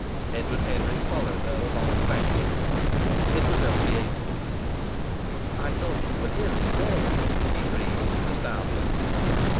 Edward Henry followed her along the planking. It was Elsie April. "I thought you were ill in bed," he breathed, astounded.